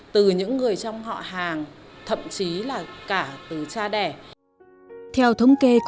từ những người trong họ hàng thậm chí là cả từ cha đẻ